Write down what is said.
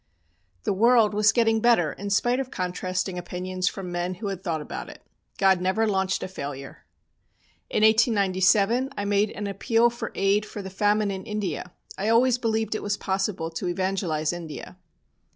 The world was getting better in spite of contrasting opinions from men who had thought about it. God never launched a failure. In 1897 I made an appeal for aid for the famine in India. I always believed it was possible to evangelise India.